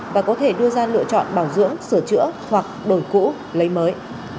và có thể đưa ra lựa chọn bảo dưỡng sửa chữa hoặc đổi cũ lấy mới